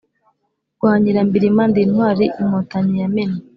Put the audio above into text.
rwa nyirambirima ndi intwari inkotanyi yamennye